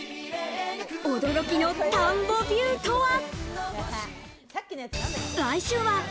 驚きの田んぼビューとは。